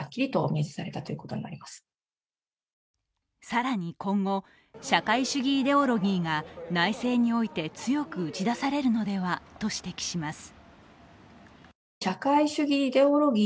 更に今後、社会主義イデオロギーが内政において強く打ち出されるのではと指摘します。